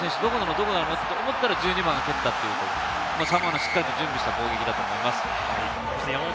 どこなのって思ったら、１２番が取ったっていうサモアのしっかり準備した攻撃だったと思います。